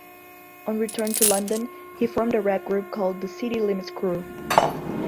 On return to London, he formed a rap group called the City Limits Crew.